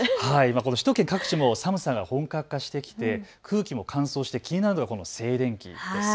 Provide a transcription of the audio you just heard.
首都圏各地も寒さが本格化してきて空気も乾燥して気になるのがこの静電気です。